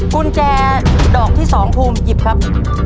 กุญแจดอกที่สองพุ่มหยิบครับ